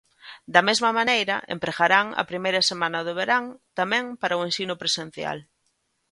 Da mesma maneira empregarán a primeira semana do verán tamén para o ensino presencial.